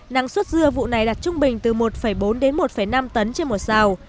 năng suất dưa vụ này đạt trung bình từ một bốn đến một năm tấn trên một xào